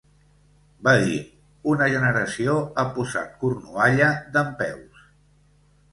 Va dir: "Una generació ha posat Cornualla dempeus.